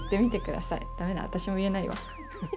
だめだ、私も言えないわ。